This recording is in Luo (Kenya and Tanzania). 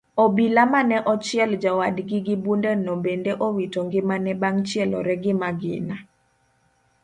Obila mane ochiel jowadgi gi bundeno bende owito ngimane bang' chielore gi magina.